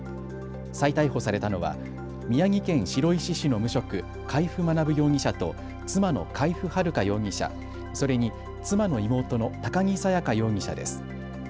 再逮捕されたのは宮城県白石市の無職、海部学容疑者と妻の海部春香容疑者、それに妻の妹の高木沙耶花容疑者です。